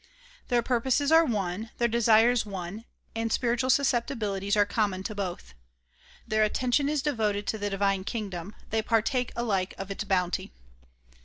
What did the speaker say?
Their purposes are one, their desires one, and spiritual susceptibilities are common to both. Their attention is devoted to the divine kingdom ; they partake alike of its bounty.